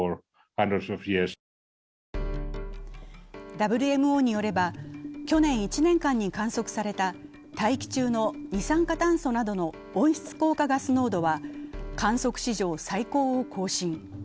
ＷＭＯによれば去年１年間に観測された大気中の二酸化炭素などの温室効果ガス濃度は観測史上最高を更新。